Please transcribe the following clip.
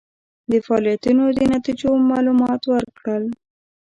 د فعالیتونو د نتیجو معلومات ورکړل.